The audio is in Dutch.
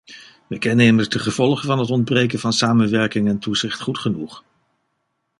We kennen immers de gevolgen van het ontbreken van samenwerking en toezicht goed genoeg.